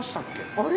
あれ？